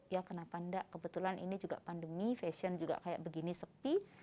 ya kenapa enggak kebetulan ini juga pandemi fashion juga kayak begini sepi